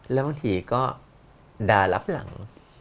แล้วบางทีก็ด่ารับหลัง